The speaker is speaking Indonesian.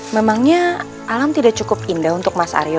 memangnya alam tidak cukup indah untuk mas aryo